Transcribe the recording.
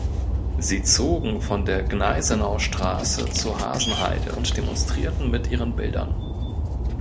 Sie zogen von der Gneisenaustraße zur Hasenheide und demonstrierten mit ihren Bildern.